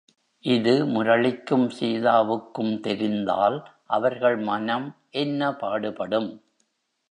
இது முரளிக்கும் சீதாவுக்கும் தெரிந்தால், அவர்கள் மனம் என்ன பாடுபடும்!